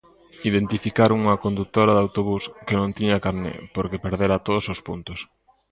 Identificaron unha condutora de autobús que non tiña carné porque perdera todos os puntos.